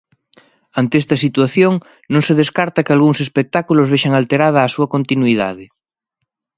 Ante esta situación, non se descarta que algúns espectáculos vexan alterada a súa continuidade.